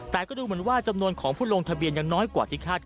แต่ก็ดูเหมือนว่าจำนวนของผู้ลงทะเบียนยังน้อยกว่าที่คาด